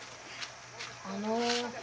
あの。